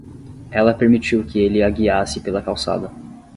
Ela permitiu que ele a guiasse pela calçada.